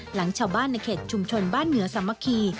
หลังชาวบ้านในเขตชุมชนบ้านเหนือสามัคคี